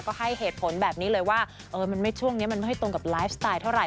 ก็ให้เหตุผลแบบนี้เลยว่าช่วงนี้มันไม่ตรงกับไลฟ์สไตล์เท่าไห